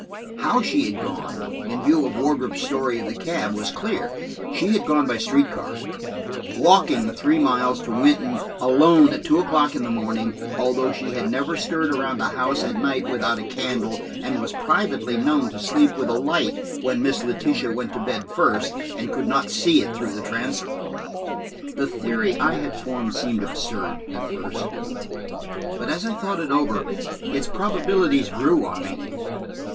How she had gone, in view of Wardrop's story of the cab, was clear. She had gone by street car, walking the three miles to Wynton alone at two o'clock in the morning, although she had never stirred around the house at night without a candle, and was privately known to sleep with a light when Miss Letitia went to bed first, and could not see it through the transom. The theory I had formed seemed absurd at first, but as I thought it over, its probabilities grew on me.